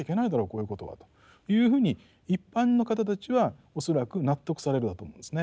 こういうことはというふうに一般の方たちは恐らく納得されるんだと思うんですね。